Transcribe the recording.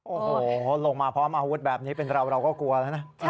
โอ้โหลงมาพร้อมอาวุธแบบนี้เป็นเราเราก็กลัวแล้วนะ